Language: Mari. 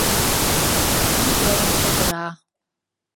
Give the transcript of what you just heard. Марий элын чодыра!